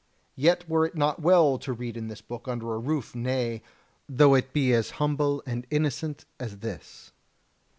Yet were it not well to read in this book under a roof, nay, though it be as humble and innocent as this.